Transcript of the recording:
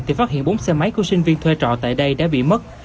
thì phát hiện bốn xe máy của sinh viên thuê trọ tại đây đã bị mất